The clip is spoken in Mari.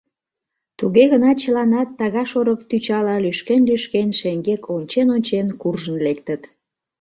Туге гынат чыланат, тага-шорык тӱчала лӱшкен-лӱшкен, шеҥгек ончен-ончен, куржын лектыт.